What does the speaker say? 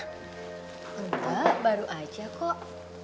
enggak baru aja kok